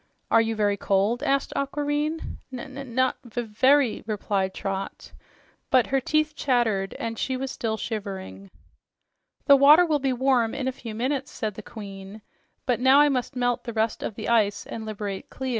"Are you very cold?" asked Aquareine. "N not v v very!" replied Trot, but her teeth chattered and she was still shivering. "The water will be warm in a few minutes," said the Queen. "But now I must melt the rest of the ice and liberate Clia."